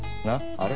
あれ？